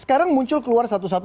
sekarang muncul keluar satu satu